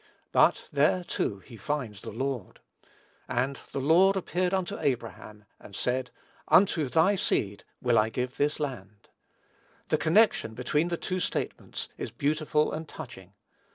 But there, too, he finds the Lord. "And the Lord appeared unto Abram, and said, Unto thy seed will I give this land." The connection between the two statements is beautiful and touching.